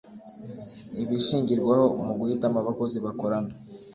ibishingirwaho mu guhitamo abakozi bakorana